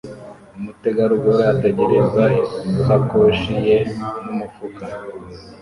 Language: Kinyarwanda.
Umutegarugori ategereza isakoshi ye n umufuka